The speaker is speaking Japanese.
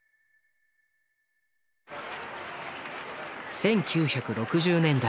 １９６０年代